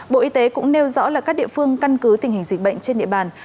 bộ y tế cũng nêu rõ là các địa phương căn cứ tình hình dịch bệnh trên địa bàn